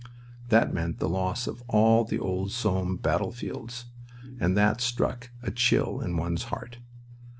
That meant the loss of all the old Somme battlefields, and that struck a chill in one's heart.